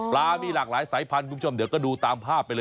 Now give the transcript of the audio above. มีหลากหลายสายพันธุ์คุณผู้ชมเดี๋ยวก็ดูตามภาพไปเลย